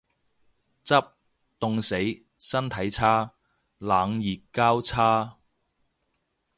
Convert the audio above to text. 執，凍死。身體差。冷熱交叉